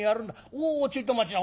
おおちょいと待ちな。